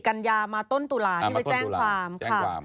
กัญญามาต้นตุลาที่ไปแจ้งความค่ะ